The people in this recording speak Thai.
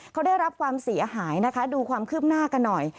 เขาได้รับความเสียหายนะคะดูความคืบหน้ากันหน่อย